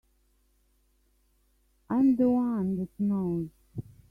I'm the one that knows.